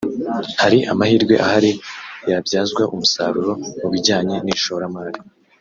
Hari amahirwe ahari yabyazwa umusaruro mu bijyanye n’ishoramari